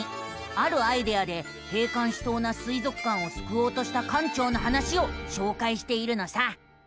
あるアイデアで閉館しそうな水族館をすくおうとした館長の話をしょうかいしているのさ。